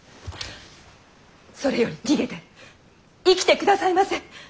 それより逃げて生きてくださいませ！